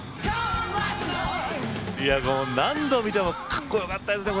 何度見てもカッコよかったですね。